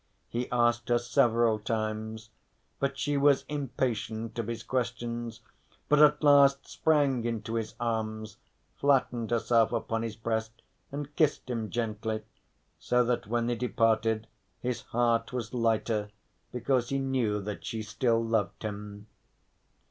he asked her several times, but she was impatient of his questions, but at last sprang into his arms, flattened herself upon his breast and kissed him gently, so that when he departed his heart was lighter because he knew that she still loved him.